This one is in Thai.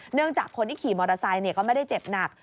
จากคนที่ขี่มอเตอร์ไซค์ก็ไม่ได้เจ็บหนัก